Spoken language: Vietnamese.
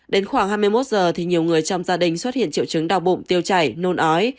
đến khoảng hai mươi một giờ thì nhiều người trong gia đình xuất hiện triệu chứng đau bụng tiêu chảy nôn ói